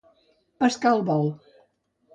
Pescar al vol.